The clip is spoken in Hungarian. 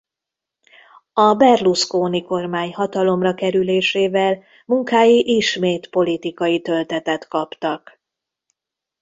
A Berlusconi-kormány hatalomra kerülésével munkái ismét politikai töltetet kaptak.